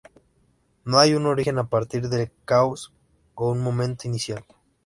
No hay un origen a partir del caos o un momento inicial.